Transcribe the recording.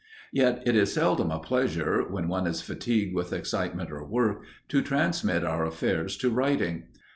Yet it is seldom a pleasure, when one is fatigued with excitement or work, to transmit our affairs to writing.